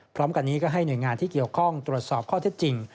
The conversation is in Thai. พร้อมกันนี้ก็ให้หน่วยงานที่เกี่ยวข้องตรวจสอบข้อเท็จจริง